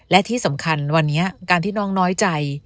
และที่สำคัญวันนี้การที่น้องน้อยใจ